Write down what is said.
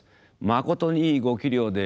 まことにいいご器量で。